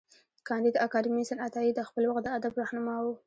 کانديد اکاډميسن عطايي د خپل وخت د ادب رهنما و.